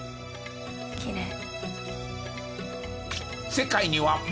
きれい。